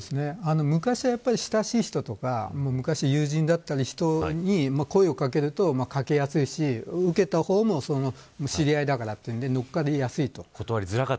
昔はやっぱり親しい人とか友人だった人に声をかけるとかけやすいし、受けた方も知り合いだからというので乗っかりやすい。